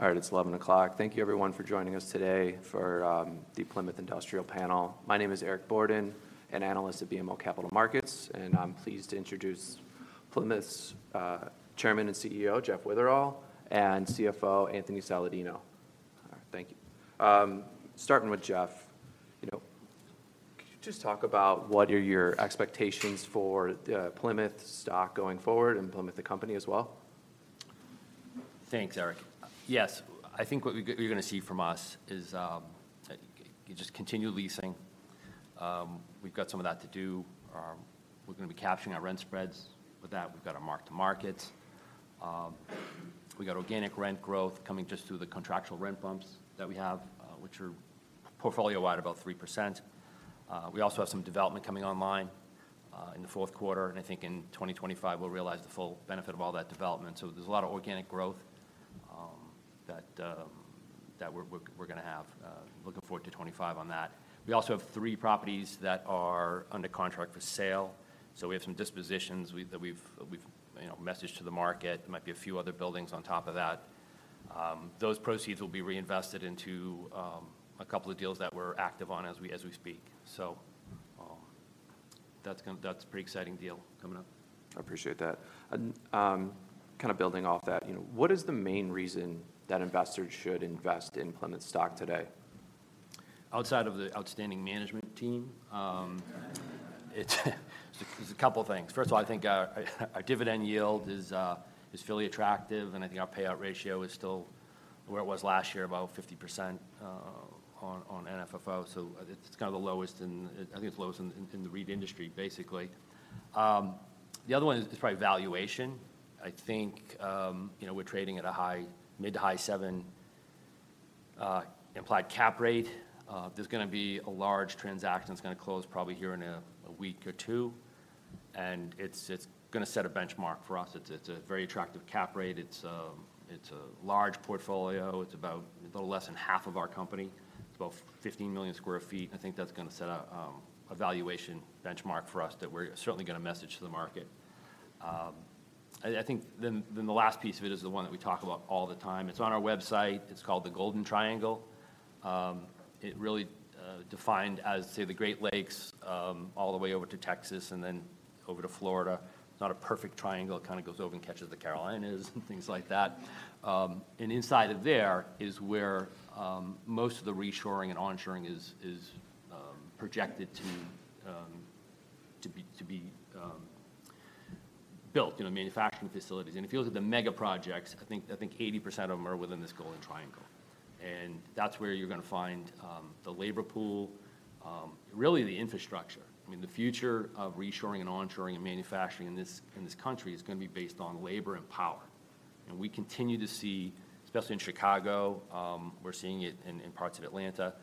All right, it's 11:00 A.M. Thank you, everyone, for joining us today for the Plymouth Industrial panel. My name is Eric Borden, an analyst at BMO Capital Markets, and I'm pleased to introduce Plymouth's chairman and CEO, Jeff Witherell, and CFO, Anthony Saladino. Thank you. Starting with Jeff, you know, could you just talk about what are your expectations for the Plymouth stock going forward and Plymouth, the company, as well? Thanks, Eric. Yes, I think what you're gonna see from us is just continued leasing. We've got some of that to do. We're gonna be capturing our rent spreads. With that, we've got to mark-to-market. We've got organic rent growth coming just through the contractual rent bumps that we have, which are portfolio-wide, about 3%. We also have some development coming online in the fourth quarter, and I think in 2025, we'll realize the full benefit of all that development. So there's a lot of organic growth that we're gonna have looking forward to 2025 on that. We also have three properties that are under contract for sale, so we have some dispositions that we've, you know, messaged to the market. There might be a few other buildings on top of that. Those proceeds will be reinvested into a couple of deals that we're active on as we speak. So, that's a pretty exciting deal coming up. I appreciate that. Kind of building off that, you know, what is the main reason that investors should invest in Plymouth stock today? Outside of the outstanding management team, there's a couple things. First of all, I think our dividend yield is fairly attractive, and I think our payout ratio is still where it was last year, about 50%, on NFFO. So it's kind of the lowest in... I think it's the lowest in the REIT industry, basically. The other one is probably valuation. I think, you know, we're trading at a mid- to high-seven implied cap rate. There's gonna be a large transaction that's gonna close probably here in a week or two, and it's gonna set a benchmark for us. It's a very attractive cap rate. It's a large portfolio. It's about a little less than half of our company. It's about 15 million sq ft. I think that's gonna set a valuation benchmark for us that we're certainly gonna message to the market. I think then the last piece of it is the one that we talk about all the time. It's on our website. It's called the Golden Triangle. It really defined as, say, the Great Lakes all the way over to Texas and then over to Florida. It's not a perfect triangle. It kind of goes over and catches the Carolinas and things like that. And inside of there is where most of the reshoring and onshoring is projected to be built, you know, manufacturing facilities. If you look at the mega projects, I think 80% of them are within this Golden Triangle, and that's where you're gonna find the labor pool, really the infrastructure. I mean, the future of reshoring and onshoring and manufacturing in this country is gonna be based on labor and power, and we continue to see, especially in Chicago, we're seeing it in parts of Atlanta,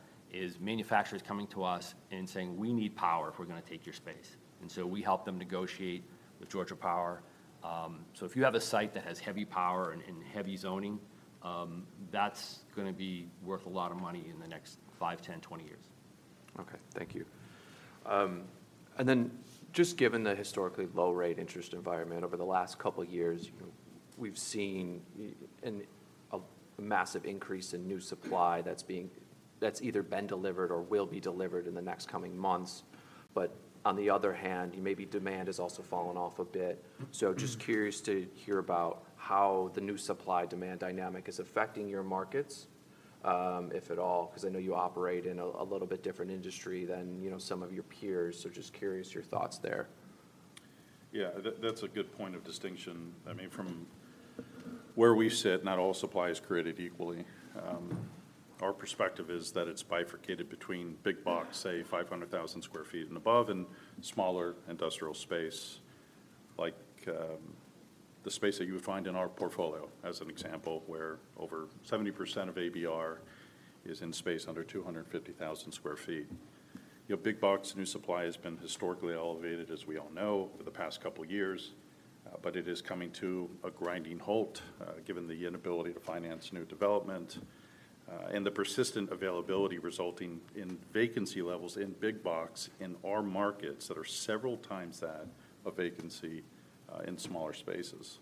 manufacturers coming to us and saying: "We need power if we're gonna take your space." So we help them negotiate with Georgia Power. So if you have a site that has heavy power and heavy zoning, that's gonna be worth a lot of money in the next five, 10 to 20 years. Okay, thank you. And then just given the historically low rate interest environment over the last couple of years, we've seen a massive increase in new supply that's either been delivered or will be delivered in the next coming months. But on the other hand, maybe demand has also fallen off a bit. So just curious to hear about how the new supply-demand dynamic is affecting your markets, if at all, 'cause I know you operate in a little bit different industry than, you know, some of your peers. So just curious your thoughts there. Yeah, that, that's a good point of distinction. I mean, from where we sit, not all supply is created equally. Our perspective is that it's bifurcated between big box, say, 500,000 sq ft and above, and smaller industrial space, like, the space that you would find in our portfolio, as an example, where over 70% of ABR is in space under 250,000 sq ft. You know, big box new supply has been historically elevated, as we all know, over the past couple of years, but it is coming to a grinding halt, given the inability to finance new development, and the persistent availability resulting in vacancy levels in big box in our markets that are several times that of vacancy in smaller spaces.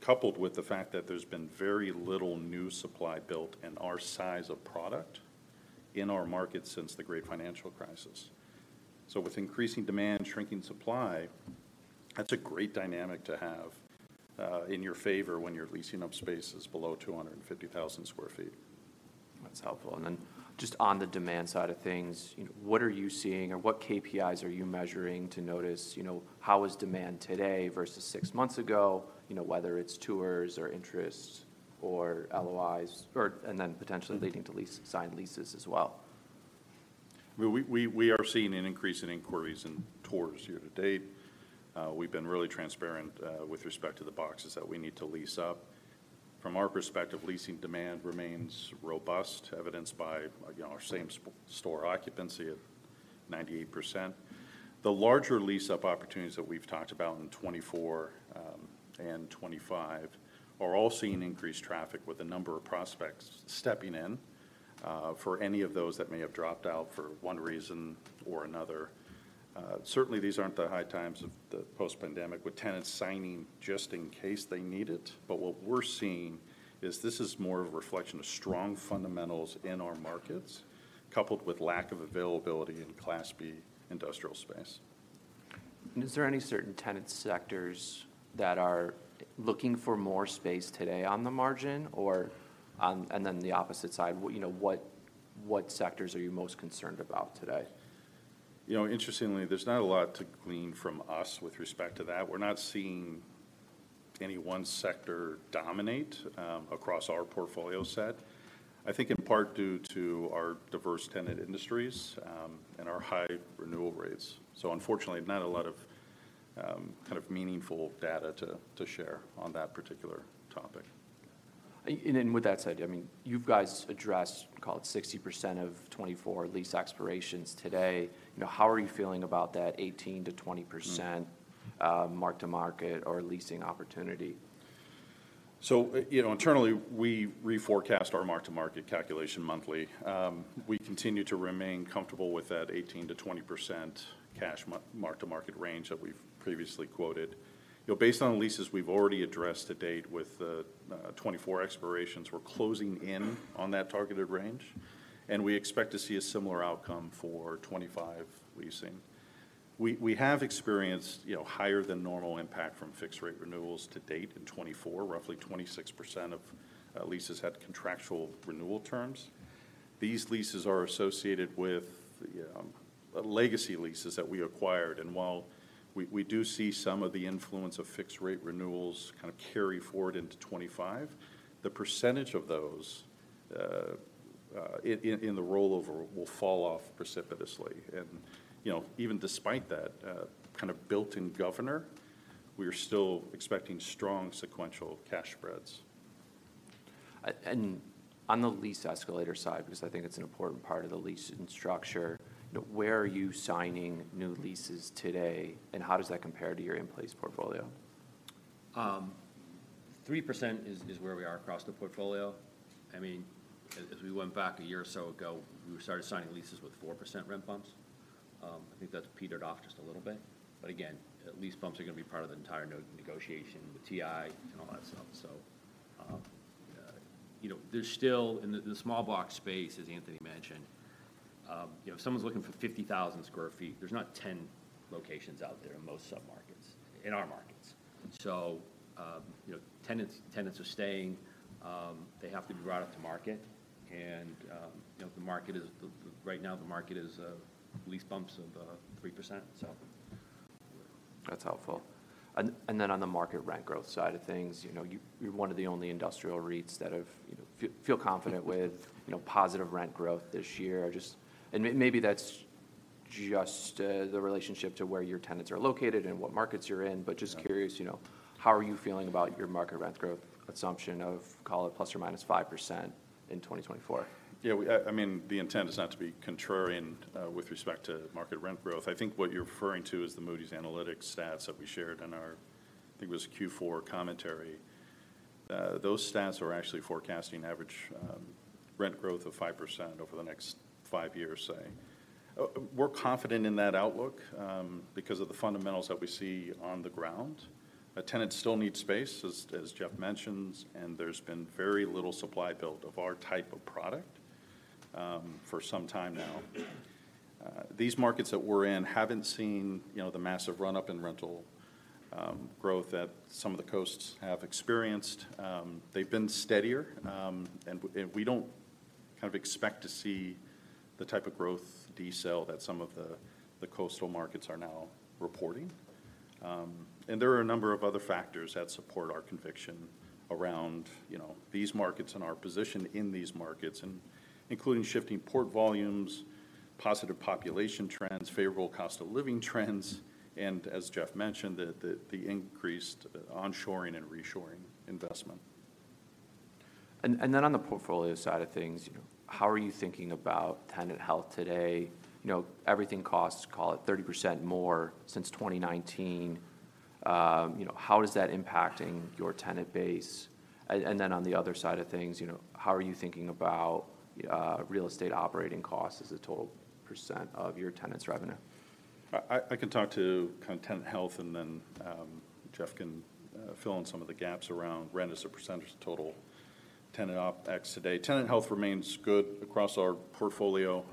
Coupled with the fact that there's been very little new supply built in our size of product in our market since the great financial crisis. So with increasing demand, shrinking supply, that's a great dynamic to have, in your favor when you're leasing up spaces below 250,000 sq ft. That's helpful. And then just on the demand side of things, you know, what are you seeing or what KPIs are you measuring to notice, you know, how is demand today versus six months ago? You know, whether it's tours or interests or LOIs or, and then potentially leading to signed leases as well. Well, we are seeing an increase in inquiries and tours year to date. We've been really transparent with respect to the boxes that we need to lease up. From our perspective, leasing demand remains robust, evidenced by, you know, our same store occupancy of 98%. The larger lease-up opportunities that we've talked about in 2024 and 2025 are all seeing increased traffic, with a number of prospects stepping in for any of those that may have dropped out for one reason or another. Certainly, these aren't the high times of the post-pandemic, with tenants signing just in case they need it. But what we're seeing is this is more of a reflection of strong fundamentals in our markets, coupled with lack of availability in Class B industrial space. Is there any certain tenant sectors that are looking for more space today on the margin? Or and then the opposite side, what, you know, what, what sectors are you most concerned about today? You know, interestingly, there's not a lot to glean from us with respect to that. We're not seeing any one sector dominate across our portfolio set. I think in part due to our diverse tenant industries and our high renewal rates. So unfortunately, not a lot of kind of meaningful data to share on that particular topic. With that said, I mean, you guys addressed, call it, 60% of 2024 lease expirations today. You know, how are you feeling about that 18% to 20% mark-to-market or leasing opportunity? So, you know, internally, we reforecast our Mark-to-market calculation monthly. We continue to remain comfortable with that 18%-20% cash Mark-to-market range that we've previously quoted. You know, based on leases we've already addressed to date with the '2024 expirations, we're closing in on that targeted range, and we expect to see a similar outcome for '2025 leasing. We have experienced, you know, higher-than-normal impact from fixed-rate renewals to date in '2024. Roughly 26% of leases had contractual renewal terms. These leases are associated with legacy leases that we acquired, and while we do see some of the influence of fixed-rate renewals kind of carry forward into '2025, the percentage of those in the rollover will fall off precipitously. You know, even despite that, kind of built-in governor, we are still expecting strong sequential cash spreads. On the lease escalator side, because I think it's an important part of the leasing structure, where are you signing new leases today, and how does that compare to your in-place portfolio? 3% is where we are across the portfolio. I mean, as we went back a year or so ago, we started signing leases with 4% rent bumps. I think that's petered off just a little bit. But again, lease bumps are gonna be part of the entire negotiation with TI and all that stuff. So, you know, there's still... In the small box space, as Anthony mentioned, you know, if someone's looking for 50,000 sq ft, there's not 10 locations out there in most submarkets, in our markets. So, you know, tenants are staying. They have to be brought up to market, and, you know, the market is right now the market is lease bumps of 3%, so. That's helpful. And then on the market rent growth side of things, you know, you're one of the only industrial REITs that have, you know, feel confident you know, positive rent growth this year. Maybe that's just the relationship to where your tenants are located and what markets you're in. Yeah. Just curious, you know, how are you feeling about your market rent growth assumption of, call it, ±5% in 2024? Yeah, we, I mean, the intent is not to be contrarian, with respect to market rent growth. I think what you're referring to is the Moody's Analytics stats that we shared in our, I think, it was Q4 commentary. Those stats were actually forecasting average, rent growth of 5% over the next five years, say. We're confident in that outlook, because of the fundamentals that we see on the ground. Tenants still need space, as Jeff mentioned, and there's been very little supply build of our type of product, for some time now. These markets that we're in haven't seen, you know, the massive run-up in rental, growth that some of the coasts have experienced. They've been steadier, and we don't kind of expect to see the type of growth decel that some of the coastal markets are now reporting. And there are a number of other factors that support our conviction around, you know, these markets and our position in these markets, including shifting port volumes, positive population trends, favorable cost of living trends, and as Jeff mentioned, the increased onshoring and reshoring investment. Then on the portfolio side of things, you know, how are you thinking about tenant health today? You know, everything costs, call it, 30% more since 2019. You know, how is that impacting your tenant base? Then on the other side of things, you know, how are you thinking about real estate operating costs as a total % of your tenants' revenue? I can talk to kind of tenant health, and then Jeff can fill in some of the gaps around rent as a percentage of total tenant OpEx today. Tenant health remains good across our portfolio.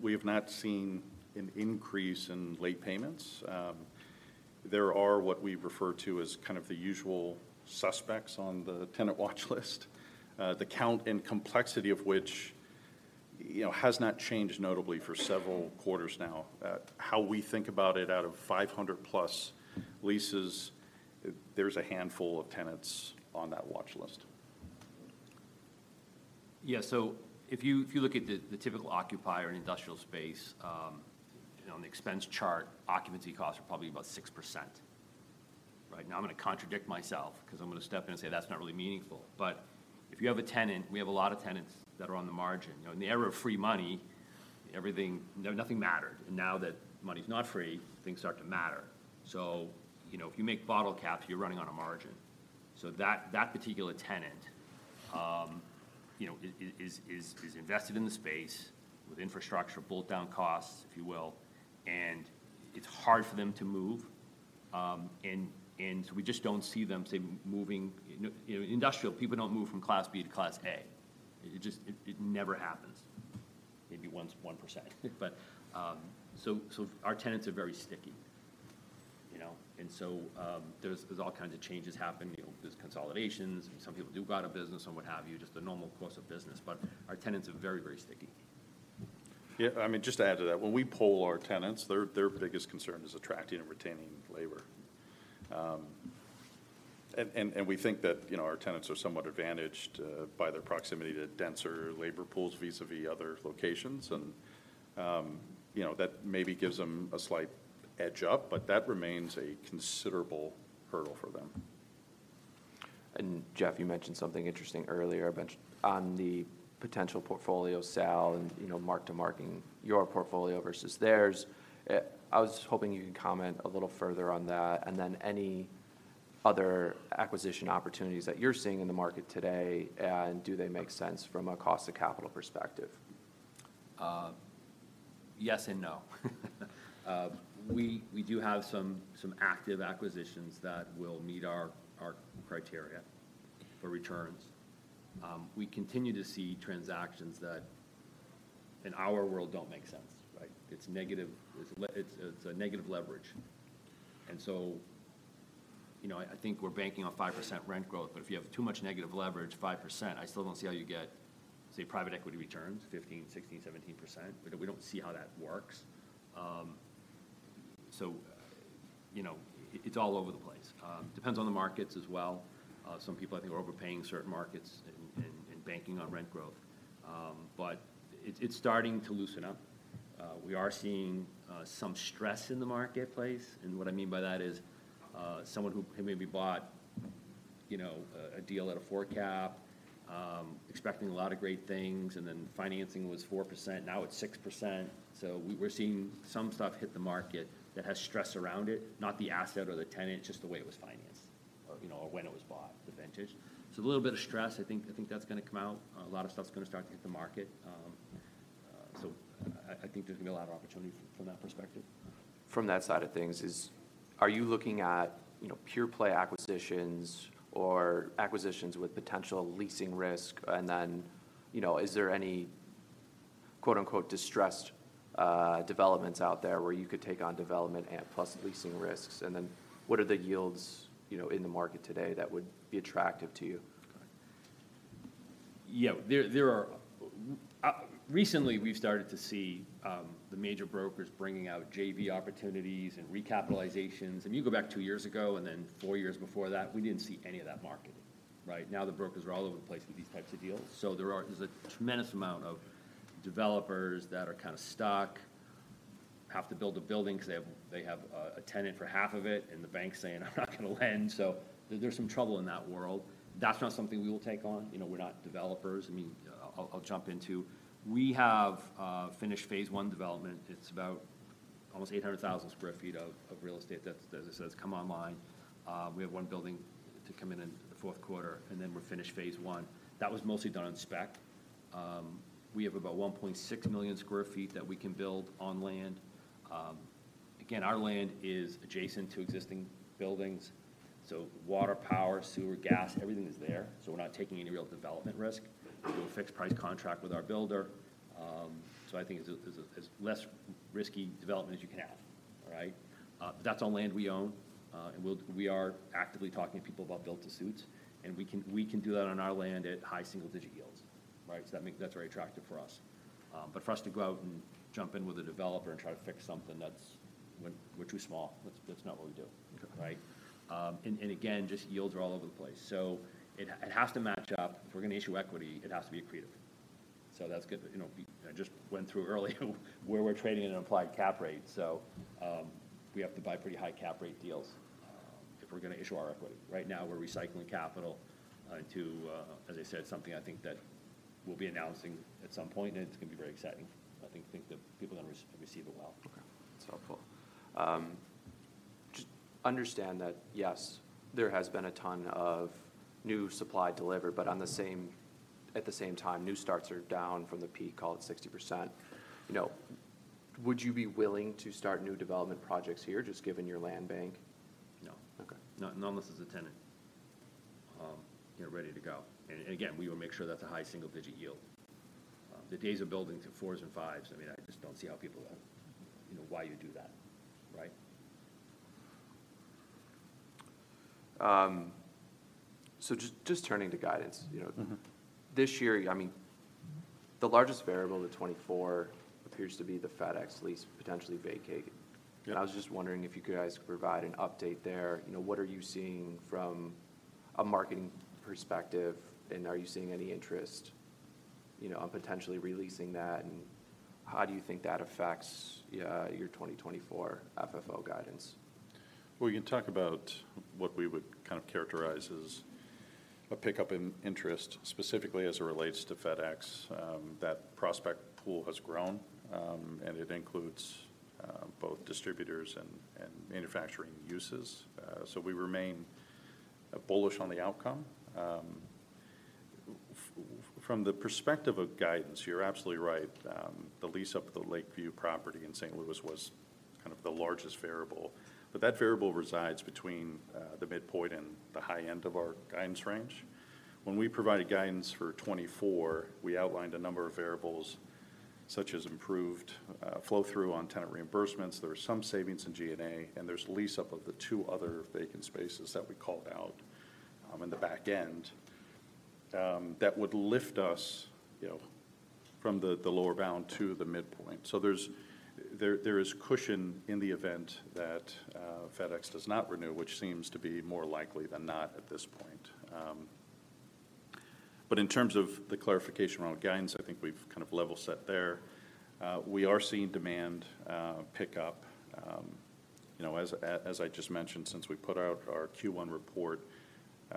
We have not seen an increase in late payments. There are what we refer to as kind of the usual suspects on the tenant watch list, the count and complexity of which, you know, has not changed notably for several quarters now. How we think about it, out of 500+ leases, there's a handful of tenants on that watch list. Yeah, so if you look at the typical occupier in industrial space, you know, on the expense chart, occupancy costs are probably about 6%. Right now, I'm gonna contradict myself, 'cause I'm gonna step in and say that's not really meaningful. But if you have a tenant, we have a lot of tenants that are on the margin. You know, in the era of free money, everything, nothing mattered. And now that money's not free, things start to matter. So, you know, if you make bottle caps, you're running on a margin. So that particular tenant, you know, is invested in the space with infrastructure, bolt-down costs, if you will, and it's hard for them to move. And we just don't see them, say, moving. You know, industrial people don't move from Class B to Class A. It just never happens. Maybe once, 1%. But our tenants are very sticky, you know? And so there's all kinds of changes happening. You know, there's consolidations, and some people do go out of business, and what have you. Just the normal course of business. But our tenants are very, very sticky. Yeah, I mean, just to add to that, when we poll our tenants, their biggest concern is attracting and retaining labor. We think that, you know, our tenants are somewhat advantaged by their proximity to denser labor pools vis-à-vis other locations. You know, that maybe gives them a slight edge up, but that remains a considerable hurdle for them. Jeff, you mentioned something interesting earlier, on the potential portfolio sale and, you know, mark-to-market your portfolio versus theirs. I was hoping you could comment a little further on that, and then any other acquisition opportunities that you're seeing in the market today, and do they make sense from a cost of capital perspective? Yes and no. We do have some active acquisitions that will meet our criteria for returns. We continue to see transactions that, in our world, don't make sense, right? It's negative. It's a negative leverage. And so, you know, I think we're banking on 5% rent growth, but if you have too much negative leverage, 5%, I still don't see how you get, say, private equity returns, 15%, 16%, 17%. We don't see how that works. So, you know, it's all over the place. Depends on the markets as well. Some people I think are overpaying certain markets and banking on rent growth. But it's starting to loosen up. We are seeing some stress in the marketplace, and what I mean by that is, someone who maybe bought, you know, a deal at a 4 cap, expecting a lot of great things, and then financing was 4%, now it's 6%. So we're seeing some stuff hit the market that has stress around it, not the asset or the tenant, just the way it was financed or, you know, or when it was bought, the vintage. So a little bit of stress. I think, I think that's gonna come out. A lot of stuff's gonna start to hit the market. So I think there's gonna be a lot of opportunity from that perspective. From that side of things, are you looking at, you know, pure-play acquisitions or acquisitions with potential leasing risk? And then, you know, is there any, quote-unquote, "distressed," developments out there where you could take on development and plus leasing risks? And then, what are the yields, you know, in the market today that would be attractive to you? Yeah. There are recently we've started to see the major brokers bringing out JV opportunities and recapitalizations. And you go back two years ago, and then four years before that, we didn't see any of that market, right? Now, the brokers are all over the place with these types of deals. So there's a tremendous amount of developers that are kind of stuck, have to build a building 'cause they have a tenant for half of it, and the bank's saying, "I'm not gonna lend." So there's some trouble in that world. That's not something we will take on. You know, we're not developers. I mean, we have finished phase one development. It's almost 800,000 sq ft of real estate that's come online, as I said. We have one building to come in, in the fourth quarter, and then we're finished phase one. That was mostly done on spec. We have about 1.6 million sq ft that we can build on land. Again, our land is adjacent to existing buildings, so water, power, sewer, gas, everything is there, so we're not taking any real development risk. We have a fixed price contract with our builder. So I think it's a as less risky development as you can have, right? That's on land we own, and we are actively talking to people about build to suits, and we can do that on our land at high single-digit yields, right? So that makes it. That's very attractive for us. But for us to go out and jump in with a developer and try to fix something, that's... We're too small. That's not what we do. Okay. Right? And again, just yields are all over the place. So it has to match up. If we're gonna issue equity, it has to be accretive. So that's good. But you know, I just went through earlier where we're trading at an implied cap rate. So, we have to buy pretty high cap rate deals, if we're gonna issue our equity. Right now, we're recycling capital into, as I said, something I think that we'll be announcing at some point, and it's gonna be very exciting. I think the people are gonna receive it well. Okay, that's helpful. Just understand that, yes, there has been a ton of new supply delivered, but at the same time, new starts are down from the peak, call it 60%. You know, would you be willing to start new development projects here, just given your land bank? No. Okay. Not unless there's a tenant, you know, ready to go. And, and again, we will make sure that's a high single-digit yield. The days of building to 4s and 5s, I mean, I just don't see how people are... You know, why you'd do that, right? Just turning to guidance, you know. This year, I mean, the largest variable to 2024 appears to be the FedEx lease potentially vacating. Yeah. I was just wondering if you guys could provide an update there. You know, what are you seeing from a marketing perspective, and are you seeing any interest, you know, on potentially re-leasing that? How do you think that affects your 2024 FFO guidance? Well, we can talk about what we would kind of characterize as a pickup in interest, specifically as it relates to FedEx. That prospect pool has grown, and it includes both distributors and manufacturing uses. So we remain bullish on the outcome. From the perspective of guidance, you're absolutely right. The lease up at the Lakeview property in St. Louis was kind of the largest variable, but that variable resides between the midpoint and the high end of our guidance range. When we provided guidance for 2024, we outlined a number of variables, such as improved flow-through on tenant reimbursements. There were some savings in G&A, and there's lease up of the two other vacant spaces that we called out in the back end that would lift us, you know, from the lower bound to the midpoint. So there is cushion in the event that FedEx does not renew, which seems to be more likely than not at this point. But in terms of the clarification around guidance, I think we've kind of level set there. We are seeing demand pick up. You know, as I just mentioned, since we put out our Q1 report,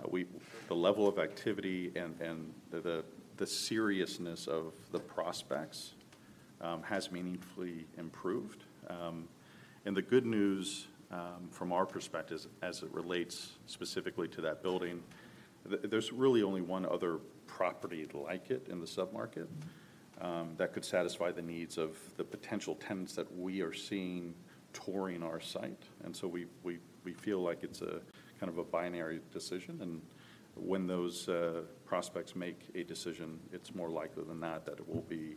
the level of activity and the seriousness of the prospects has meaningfully improved. And the good news from our perspective, as it relates specifically to that building, there's really only one other property like it in the sub-market that could satisfy the needs of the potential tenants that we are seeing touring our site. We feel like it's a kind of a binary decision, and when those prospects make a decision, it's more likely than not that it will be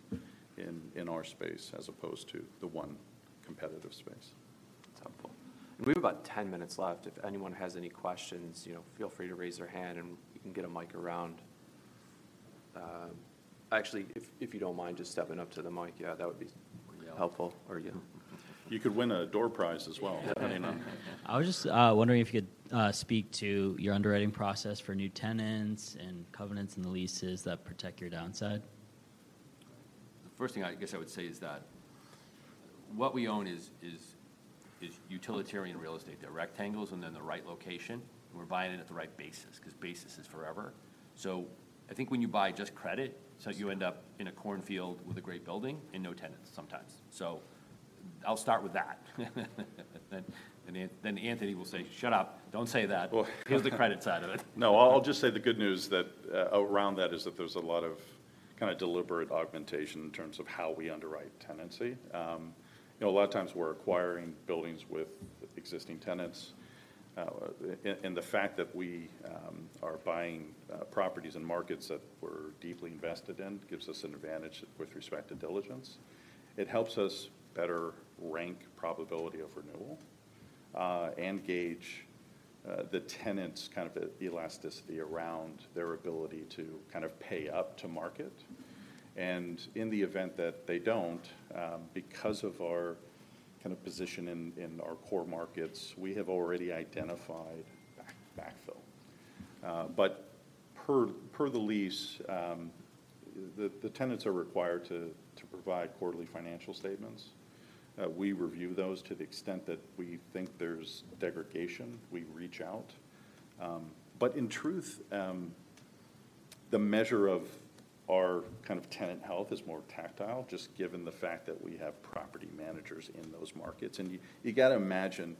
in our space, as opposed to the one competitive space. That's helpful. We have about 10 minutes left. If anyone has any questions, you know, feel free to raise their hand and we can get a mic around. Actually, if you don't mind just stepping up to the mic, yeah, that would be- Yeah Helpful. Or you. You could win a door prize as well, depending on- I was just wondering if you could speak to your underwriting process for new tenants and covenants in the leases that protect your downside? The first thing I guess I would say is that what we own is utilitarian real estate. They're rectangles and in the right location, and we're buying it at the right basis, 'cause basis is forever. So I think when you buy just credit, so you end up in a corn field with a great building and no tenants sometimes. So I'll start with that. Then Anthony will say, "Shut up. Don't say that. Well, Here's the credit side of it. No, I'll just say the good news that around that is that there's a lot of kind of deliberate augmentation in terms of how we underwrite tenancy. You know, a lot of times we're acquiring buildings with existing tenants, and the fact that we are buying properties in markets that we're deeply invested in gives us an advantage with respect to diligence. It helps us better rank probability of renewal, and gauge the tenants, kind of the elasticity around their ability to kind of pay up to market. And in the event that they don't, because of our kind of position in our core markets, we have already identified backfill. But per the lease, the tenants are required to provide quarterly financial statements. We review those to the extent that we think there's degradation, we reach out. But in truth, the measure of our kind of tenant health is more tactile, just given the fact that we have property managers in those markets. And you gotta imagine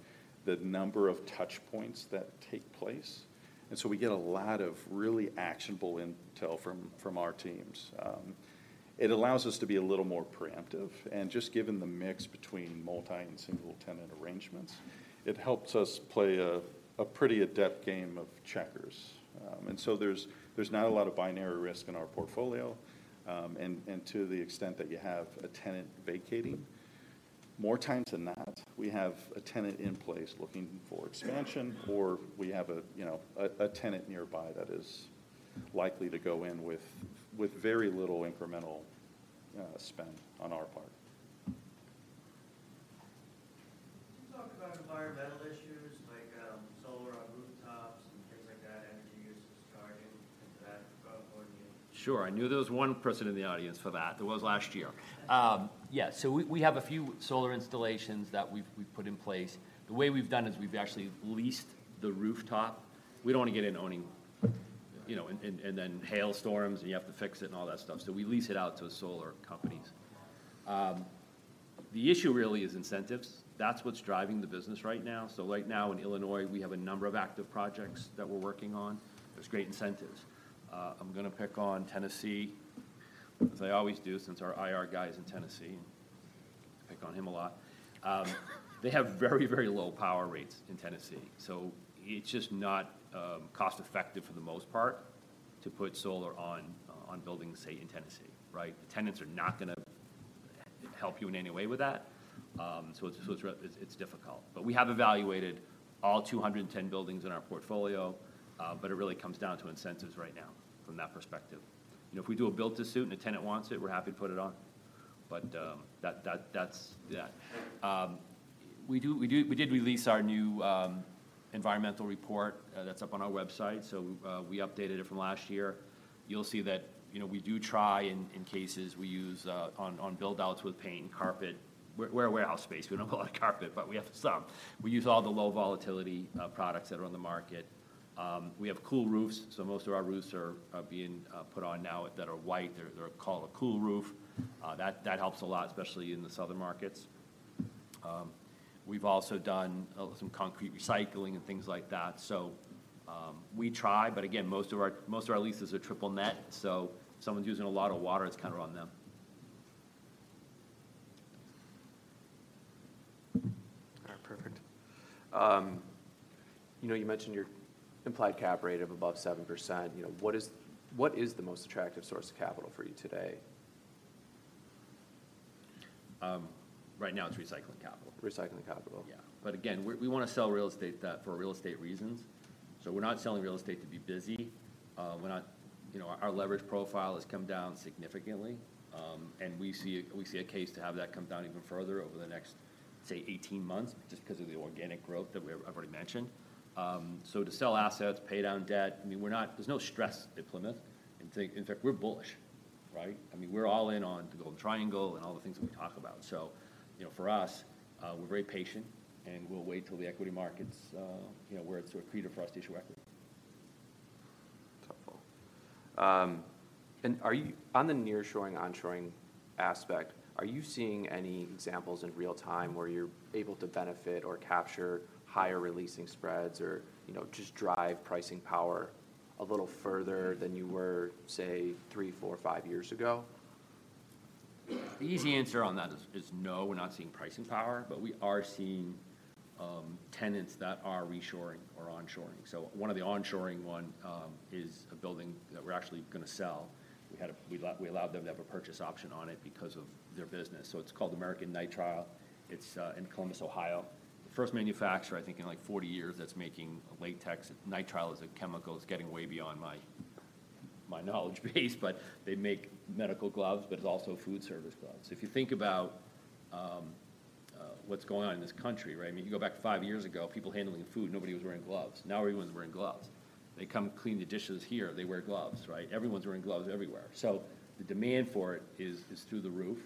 the number of touch points that take place, and so we get a lot of really actionable intel from our teams. It allows us to be a little more preemptive, and just given the mix between multi and single tenant arrangements, it helps us play a pretty adept game of checkers. And so there's not a lot of binary risk in our portfolio. And to the extent that you have a tenant vacating, more times than not, we have a tenant in place looking for expansion, or we have, you know, a tenant nearby that is likely to go in with very little incremental spend on our part. Can you talk about environmental issues like, solar on rooftops and things like that, energy usage, charging, and that kind for you? Sure. I knew there was one person in the audience for that. There was last year. Yeah, so we have a few solar installations that we've put in place. The way we've done is we've actually leased the rooftop. We don't want to get into owning, you know, and then hail storms, and you have to fix it and all that stuff. So we lease it out to solar companies. The issue really is incentives. That's what's driving the business right now. So right now in Illinois, we have a number of active projects that we're working on. There's great incentives. I'm gonna pick on Tennessee, as I always do, since our IR guy is in Tennessee, and I pick on him a lot. They have very, very low power rates in Tennessee, so it's just not cost effective for the most part to put solar on buildings, say, in Tennessee, right? The tenants are not gonna help you in any way with that. So it's difficult. But we have evaluated all 210 buildings in our portfolio, but it really comes down to incentives right now from that perspective. You know, if we do a build to suit and a tenant wants it, we're happy to put it on. But that, that's... Yeah. We did release our new environmental report. That's up on our website. So we updated it from last year. You'll see that, you know, we do try in cases, we use on build-outs with paint and carpet. We're a warehouse space. We don't have a lot of carpet, but we have some. We use all the low volatility products that are on the market. We have cool roofs, so most of our roofs are being put on now that are white. They're called a cool roof. That helps a lot, especially in the southern markets. We've also done some concrete recycling and things like that. So we try, but again, most of our leases are triple net, so if someone's using a lot of water, it's kind of on them. All right, perfect. You know, you mentioned your implied cap rate of above 7%. You know, what is the most attractive source of capital for you today? Right now, it's recycling capital. Recycling capital? Yeah. But again, we wanna sell real estate for real estate reasons. So we're not selling real estate to be busy. We're not... You know, our leverage profile has come down significantly, and we see a case to have that come down even further over the next, say, 18 months, just because of the organic growth that we've already mentioned. So to sell assets, pay down debt, I mean, we're not... There's no stress at Plymouth. In fact, we're bullish, right? I mean, we're all in on the Golden Triangle and all the things that we talk about. So, you know, for us, we're very patient, and we'll wait till the equity markets, you know, where it's sort of creative for us to issue equity. Top goal. And are you on the nearshoring, onshoring aspect, are you seeing any examples in real time where you're able to benefit or capture higher releasing spreads or, you know, just drive pricing power a little further than you were, say, three, four or five years ago? The easy answer on that is no, we're not seeing pricing power, but we are seeing tenants that are reshoring or onshoring. So one of the onshoring one is a building that we're actually gonna sell. We allowed them to have a purchase option on it because of their business. So it's called American Nitrile. It's in Columbus, Ohio. First manufacturer, I think, in like 40 years that's making latex. Nitrile is a chemical. It's getting way beyond my knowledge base, but they make medical gloves, but it's also food service gloves. If you think about what's going on in this country, right? I mean, you go back 5 years ago, people handling food, nobody was wearing gloves. Now, everyone's wearing gloves. They come clean the dishes here, they wear gloves, right? Everyone's wearing gloves everywhere. So the demand for it is through the roof.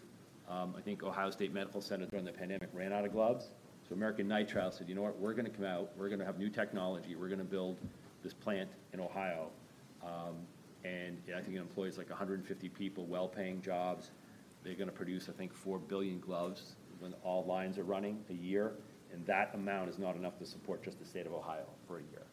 I think Ohio State Medical Center, during the pandemic, ran out of gloves, so American Nitrile said, "You know what? We're gonna come out. We're gonna have new technology. We're gonna build this plant in Ohio." And yeah, I think it employs, like, 150 people, well-paying jobs. They're gonna produce, I think, 4 billion gloves when all lines are running a year, and that amount is not enough to support just the state of Ohio for a year.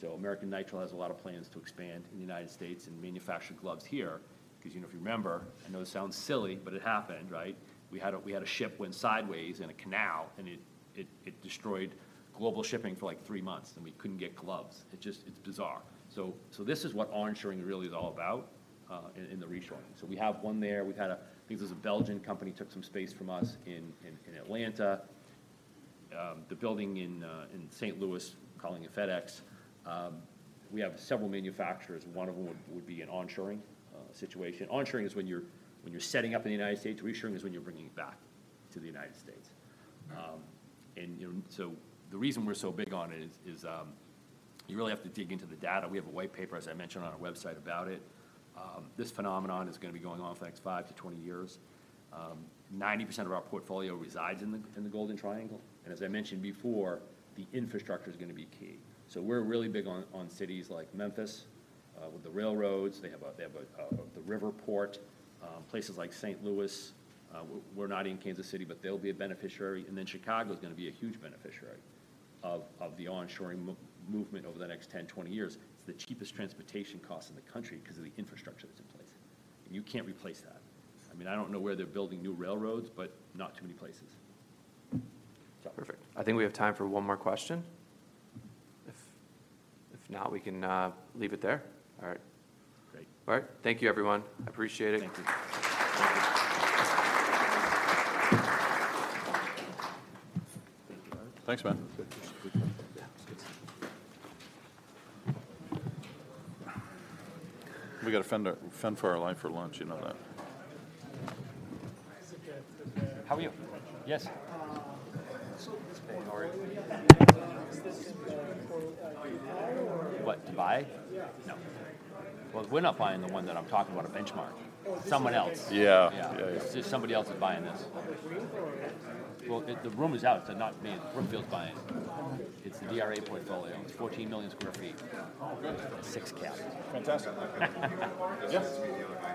So American Nitrile has a lot of plans to expand in the United States and manufacture gloves here, 'cause, you know, if you remember, I know this sounds silly, but it happened, right? We had a ship went sideways in a canal, and it destroyed global shipping for, like, three months, and we couldn't get gloves. It's bizarre. So this is what onshoring really is all about, in the reshoring. So we have one there. We've had a... I think there's a Belgian company, took some space from us in Atlanta. The building in St. Louis, calling it FedEx. We have several manufacturers. One of them would be an onshoring situation. Onshoring is when you're setting up in the United States. Reshoring is when you're bringing it back to the United States. And, you know, so the reason we're so big on it is, you really have to dig into the data. We have a white paper, as I mentioned, on our website about it. This phenomenon is gonna be going on for the next 5-20 years. 90% of our portfolio resides in the Golden Triangle, and as I mentioned before, the infrastructure is gonna be key. So we're really big on cities like Memphis with the railroads. They have the river port. Places like St. Louis, we're not in Kansas City, but they'll be a beneficiary, and then Chicago is gonna be a huge beneficiary of the onshoring movement over the next 10-20 years. It's the cheapest transportation cost in the country because of the infrastructure that's in place, and you can't replace that. I mean, I don't know where they're building new railroads, but not too many places. Perfect. I think we have time for one more question. If not, we can leave it there. All right. Great. All right. Thank you, everyone. I appreciate it. Thank you. Thanks, man. Yeah, it's good. We gotta fend for our life for lunch, you know that. How are you? Yes. So this portfolio, is this for buy or- What, to buy? Yeah. No. Well, we're not buying the one that I'm talking about, a benchmark. Oh. Someone else. Yeah. Yeah. Yeah. Somebody else is buying this. Green or... Well, the rumor is out. It's not me. Brookfield's buying. Oh. It's the DRA portfolio. It's 14 million sq ft. Oh, good. Six cap. Fantastic. Market?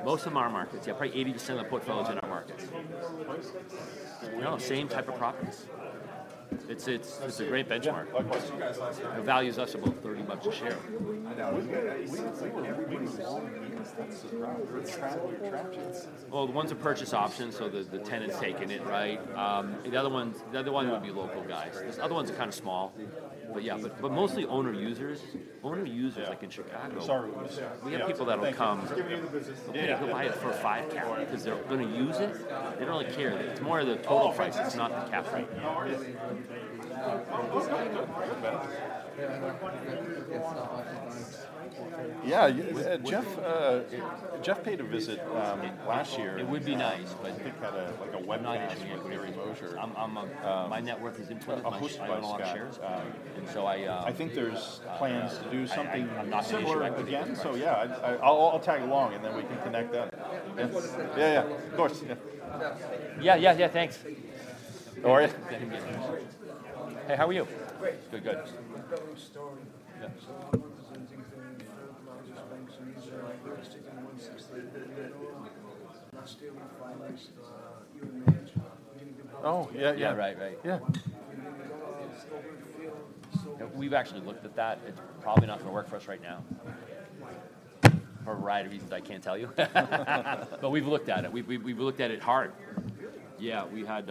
Most of them are markets, yeah. Probably 80% of the portfolio is in our markets. prices? You know, same type of profits. It's a great benchmark. Yeah. I watched you guys last night. It values us above $30 a share. I know. Well, the ones are purchase options, so the tenant's taking it, right? The other one would be local guys. This other one's kind of small. But yeah, but mostly owner users. Owner users, like in Chicago-... We have people that'll come, they'll buy it for 5 cap because they're gonna use it. They don't really care. It's more the total price. It's not the cap right now. Yeah, Jeff, Jeff paid a visit last year. It would be nice, but- I think had, like, a webinar with Gary Mozer.... I'm a. My net worth is included. I own a lot of shares. A host guy. And so I I think there's plans to do something- I'm not sure. Similar again. So yeah, I'll tag you along, and then we can connect then. Yeah. Yeah, yeah. Of course, yeah. Yeah, yeah, yeah, thanks.... How are you? Great. Hey, how are you? Great. Good, good. I've got a story. Yeah. I'm representing some large banks, and we're sticking to one since the... Last year we finalized your management, meaning- Oh, yeah, yeah. Right, right. Yeah. So we feel, We've actually looked at that. It's probably not going to work for us right now. Why? For a variety of reasons I can't tell you. But we've looked at it. We've looked at it hard. Really? Yeah. We had,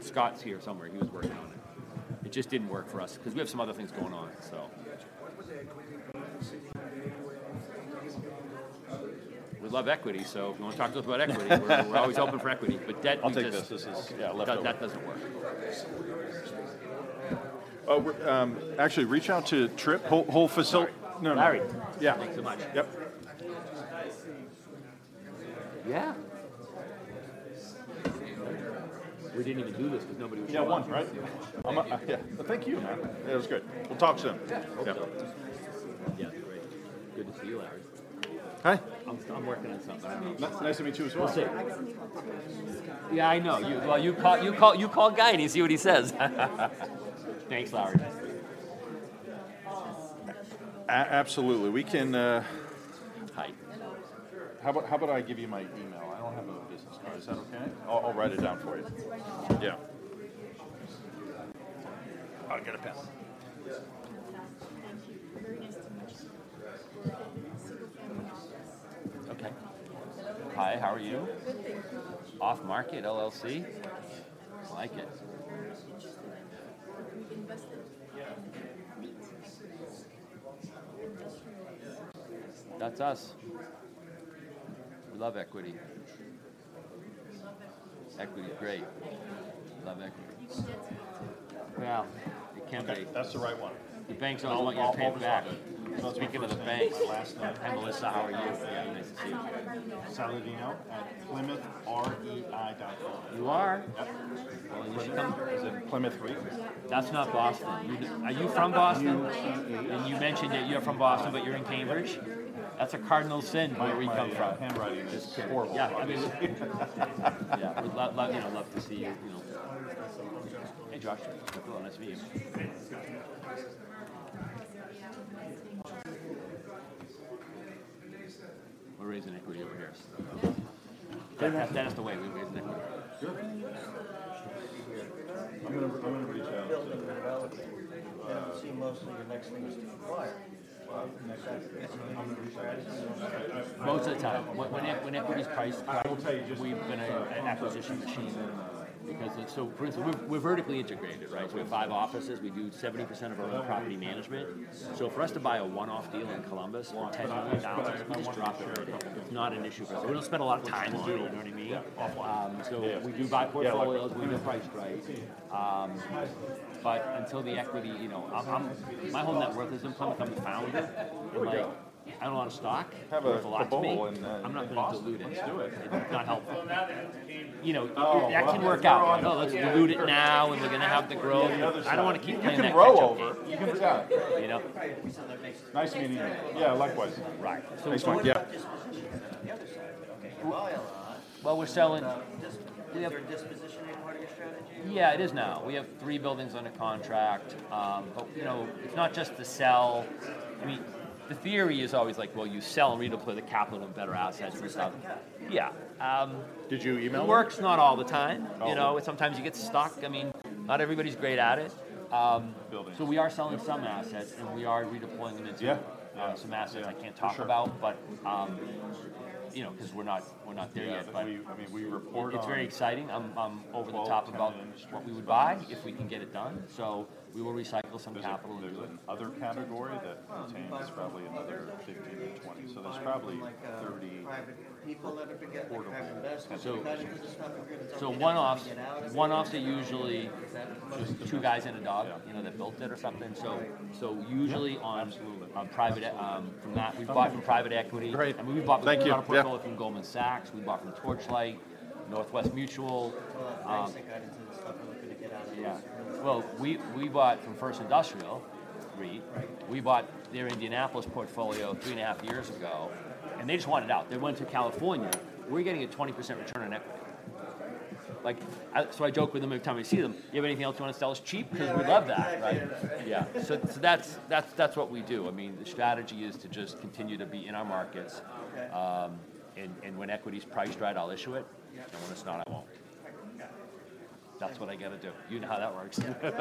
Scott's here somewhere. He was working on it. It just didn't work for us because we have some other things going on, so. Yeah. What was the equity like in sitting with- We love equity, so if you want to talk to us about equity, we're always open for equity, but debt- I'll take this. Yeah. That doesn't work. Oh, we're actually reach out to Trip. Whole facility- Larry. No, no. Larry. Yeah. Thanks so much. Yep. Yeah. We didn't even do this because nobody would show up. Yeah, one, right? Yeah. Thank you. It was great. We'll talk soon. Yeah. Hope so. Yeah. Yeah, great. Good to see you, Larry. Hi. I'm working on something. That's nice to meet you, too, as well. We'll see. I guess I need to talk to you. Yeah, I know. Well, you call Guy and you see what he says. Thanks, Larry. Absolutely. We can, Hi. How about, how about I give you my email? I don't have a business card. Is that okay? I'll, I'll write it down for you. Let's write it down. Yeah. I'll get a pen. Yeah. Thank you. Very nice to meet you. Okay. Hi, how are you? Good, thank you. Off Market LLC? Yes. I like it. We've invested in meat industries. That's us. We love equity. We love equity. Equity is great. Thank you. Love equity. You can get some. Well, it can be. That's the right one. The banks all want your money back. Speaking of the banks- Hi, Melissa, how are you? I'm well. Yeah, nice to see you. I know how you are. Saladino at plymouthreit.com. You are? Yep. Well, welcome. Is it Plymouth REIT? That's not Boston. You-- Are you from Boston? I am. You mentioned that you're from Boston, but you're in Cambridge? That's a cardinal sin where we come from. My, my handwriting is horrible. Yeah. I mean, yeah, we'd love, love, you know, love to see you, you know. Hey, Josh. Hello, nice to meet you. Hey, Scott. We're raising equity over here. That, that is the way, we're raising equity. Sure. I'm gonna reach out. Building and developing. I see most of your next things to acquire. Well, I'm gonna... Most of the time, when equity is priced- I will tell you just- We've been an acquisition machine. Because it's so for instance, we're vertically integrated, right? So we have 5 offices. We do 70% of our own property management. So for us to buy a one-off deal in Columbus for 10,000-20,000 is drop dead in. It's not an issue for us. We don't spend a lot of time on it, you know what I mean? So we do buy portfolios when the price is right. But until the equity, you know... I'm, my whole net worth is in Plymouth. I'm the founder. There we go. I own a lot of stock, which is a lot to me. Have a bottle and then- I'm not going to dilute it. Let's do it. It's not helpful. You know, that can work out. "Oh, let's dilute it now, and we're going to have the growth. We have another stock. I don't want to keep playing that catch-up game. You can grow over. You can, yeah. You know? Right. Nice meeting you. Yes, likewise. Yeah, likewise. Right. Nice one. Yeah. On the other side, you buy a lot- Well, we're selling- Is dispositioning part of your strategy? Yeah, it is now. We have 3 buildings under contract, but you know, it's not just to sell. I mean, the theory is always like, well, you sell and redeploy the capital in better assets and stuff. Yes, exactly. Yeah. Yeah. Um- Did you email me? It works not all the time. Oh. You know, sometimes you get stuck. I mean, not everybody's great at it. Building. We are selling some assets, and we are redeploying them into- Yeah... some assets I can't talk about. Sure. You know, because we're not, we're not there yet. Yeah, but we, I mean, we report on- It's very exciting. I'm over the top about- The industry... what we would buy, if we can get it done. So we will recycle some capital into it. There's another category that contains probably another 15-20. So there's probably 30- Private people that have invested. Because this is not something you're going to- So one-offs, one-offs are usually- Just-... two guys and a dog- Yeah... you know, that built it or something. Right. So usually on- Yeah, absolutely... on private, from that, we've bought from private equity. Great. And we've bought- Thank you. Yeah... from Goldman Sachs, we bought from Torchlight, Northwestern Mutual... Private equity and stuff, looking to get out of those. Yeah. Well, we bought from First Industrial REIT. Right. We bought their Indianapolis portfolio 3.5 years ago, and they just wanted out. They went to California. We're getting a 20% return on equity. Wow. Like, So I joke with them every time I see them: "You have anything else you want to sell us cheap? Because we love that. Right. Yeah. So that's what we do. I mean, the strategy is to just continue to be in our markets. Okay. When equity is priced right, I'll issue it. Yeah. When it's not, I won't. Yeah. That's what I gotta do. You know how that works.